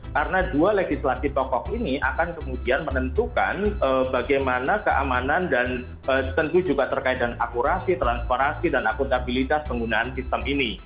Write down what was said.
karena dua legislasi pokok ini akan kemudian menentukan bagaimana keamanan dan tentu juga terkait dengan akurasi transferasi dan akuntabilitas penggunaan sistem ini